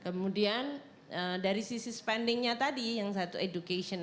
kemudian dari sisi spendingnya tadi yang satu education